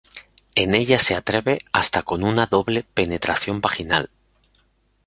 En ella se atreve hasta con una doble penetración vaginal.